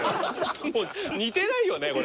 もう似てないよね